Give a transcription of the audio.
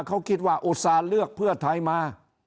เขาคิดว่าอุตส่าห์เลือกเพื่อไทยมา